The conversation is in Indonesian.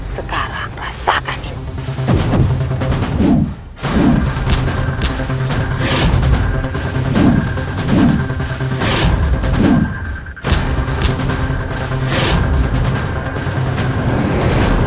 sekarang rasakan ini